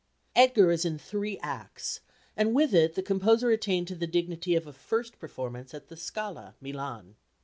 Edgar is in three acts, and with it the composer attained to the dignity of a first performance at the Scala, Milan.